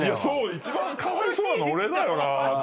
一番かわいそうなの俺だよなと思って。